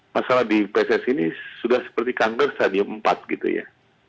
masalah di pssi ini sudah seperti kander stadium empat gitu ya